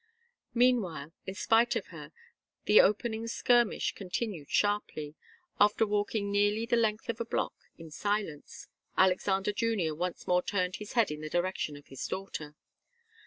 Meanwhile, in spite of her, the opening skirmish continued sharply. After walking nearly the length of a block in silence, Alexander Junior once more turned his head in the direction of his daughter.